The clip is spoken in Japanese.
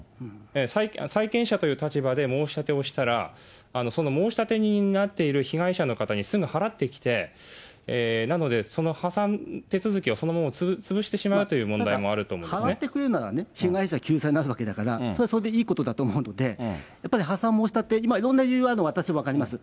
債権者という立場で申し立てをしたら、その申立人になっている被害者の方にすぐ払ってきて、なので、その破産手続きをそのものを潰してしまうという問題もあるんですだから払ってくれるならね、被害者救済になるわけだから、それはそれでいいことだと思うので、やっぱり破産申し立て、今、いろんな理由があるのは私、分かります。